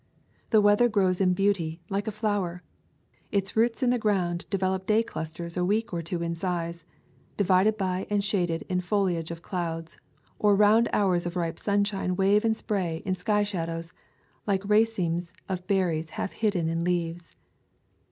The weather grows in beauty, like a flower. Its roots in the ground develop day clusters a week or two in size, divided by and shaded in foliage of clouds; or round hours of ripe sunshine wave and spray in sky shadows, like racemes of berries half hidden in leaves.